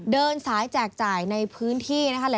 เดินสายแจกจ่ายในพื้นที่นะคะ